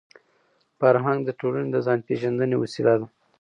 فرهنګ د ټولني د ځان پېژندني وسیله ده.